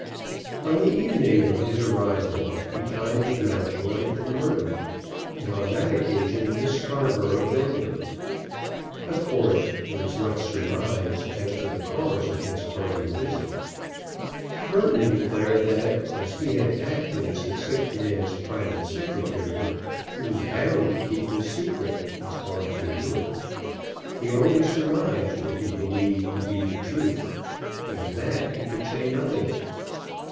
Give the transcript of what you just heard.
On the evening of his arrival he dined with Mountjoy and Merton, and on that occasion Miss Scarborough joined them. Of course there was much surmise as to the cause of this farther visit. Merton declared that, as he had acted as the sick man's private secretary, he was bound to keep his secret as far as he knew it. He only surmised what he believed to be the truth, but of that he could say nothing.